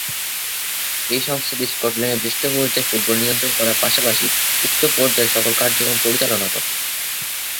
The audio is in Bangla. এই সংস্থাটি স্কটল্যান্ডের জ্যেষ্ঠ পর্যায়ের ফুটবল নিয়ন্ত্রণ করার পাশাপাশি উক্ত পর্যায়ের সকল কার্যক্রম পরিচালনা করে।